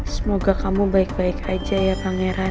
semoga kamu baik baik aja ya pangeran